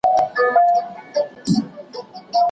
کلیمات په شعر کې ښکلي انځورونه جوړوي.